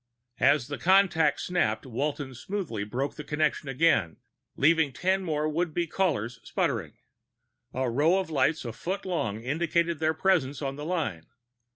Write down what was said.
As the contact snapped Walton smoothly broke connection again, leaving ten more would be callers sputtering. A row of lights a foot long indicated their presence on the line.